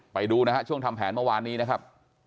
ไปดูนะฮะช่วงทำแผนเมื่อวานนี้นะครับ